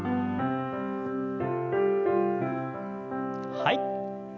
はい。